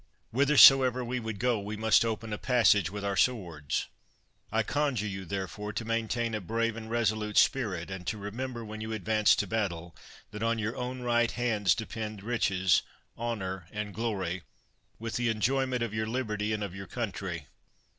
Whithersoever we would go, we must open a passage with our swords. I conjure you, therefore, to maintain a brave and resolute spirit ; and to remember, when you advance to battle, that on your own right hands depend riches, honor, and glory, with the enjoyment of your liberty and of your country.